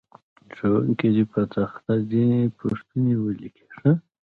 ښوونکی دې په تخته ځینې پوښتنې ولیکي.